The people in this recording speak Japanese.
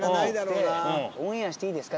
「オンエアしていいですか？」